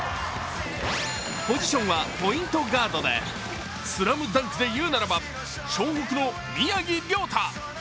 ポジションはポイントガードで「ＳＬＡＭＤＵＮＫ」で言うならば湘北の宮城リョータ。